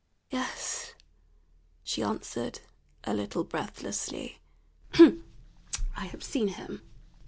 "Yes," she answered, a little breathlessly, "I have seen him."